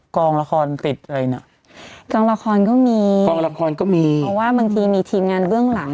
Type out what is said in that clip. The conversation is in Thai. กองละครติดอะไรน่ะกองละครก็มีกองละครก็มีเพราะว่าบางทีมีทีมงานเบื้องหลัง